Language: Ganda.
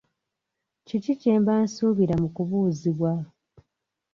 Kiki kye mba nsuubira mu kubuuzibwa?